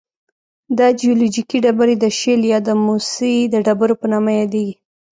دا جیولوجیکي ډبرې د شیل یا د موسی د ډبرو په نامه یادیږي.